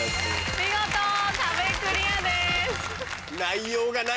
見事壁クリアです。